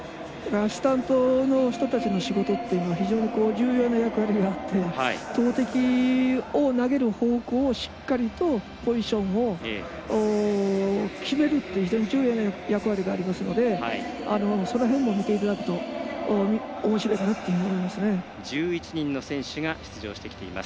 アシスタントの人たちの仕事は非常に重要な役割があって投てきを投げる方向をしっかりとポジションを決めるっていう非常に重要な役割がありますからその辺も、見ていただくとおもしろいかなと思います。